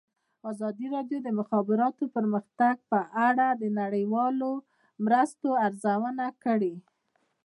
ازادي راډیو د د مخابراتو پرمختګ په اړه د نړیوالو مرستو ارزونه کړې.